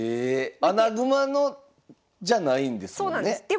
穴熊のじゃないんですもんね？